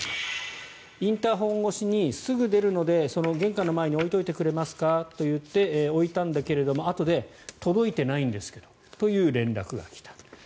インターホン越しにすぐ出るので玄関の前に置いておいてくれますかといわれたので置いたけどあとで届いていないですけどという連絡がきた。